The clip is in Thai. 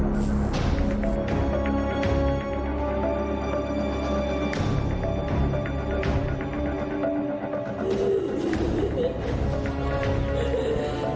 สวัสดีครับ